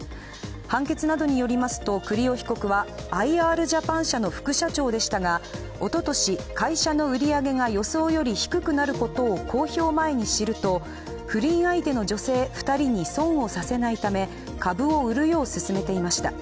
判決などによりますと栗尾被告はアイ・アールジャパン社の副社長でしたがおととし、会社の売り上げが予想より低くなることを公表前に知ると、不倫相手の女性２人に損をさせないため株を売るよう勧めていました。